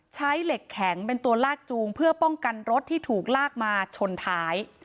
ใช้เหล็กแข็งเป็นตัวลากจูงเพื่อป้องกันรถที่ถูกลากมาชนท้าย